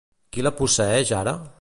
Qui la posseeix ara?